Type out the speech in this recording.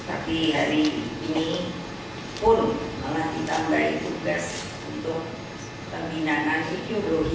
tapi hari ini pun malah ditambahi tugas untuk pembinaan hidrologi